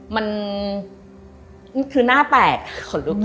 มันคือน่าแปลก